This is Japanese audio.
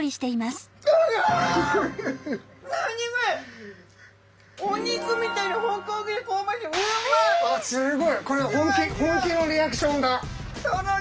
すごいこれ本気本気のリアクションだ。